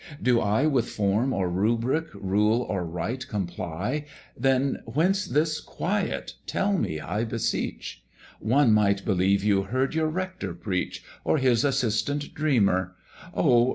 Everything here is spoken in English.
do I With form or rubric, rule or rite comply? Then whence this quiet, tell me, I beseech? One might believe you heard your Rector preach, Or his assistant dreamer: Oh!